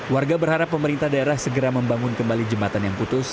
warga berharap pemerintah daerah segera membangun kembali jembatan yang putus